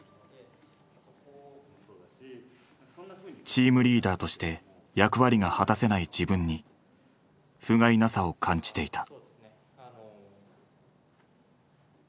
チームリーダーとして役割が果たせない自分にふがいなさを感じていた。